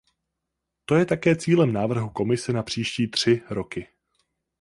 To je také cílem návrhu Komise na příští tři roky.